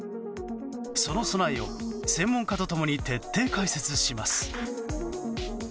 その備えを、専門家と共に徹底解説します。